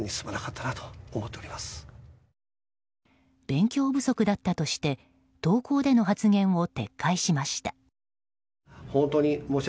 勉強不足だったとして投稿での発言を撤回しました。